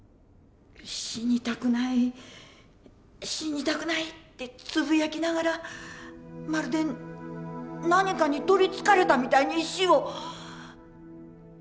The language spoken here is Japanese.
「死にたくない死にたくない」ってつぶやきながらまるで何かに取りつかれたみたいに石を。